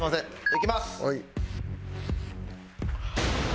いきます！